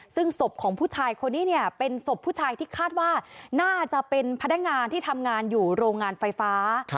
ซึ่งสมสิ้นของผู้เจ้าคนี้เป็นที่คาดว่าน่าจะเป็นภรรยาการที่ทำงานอยู่โรงงานไฟฟ้า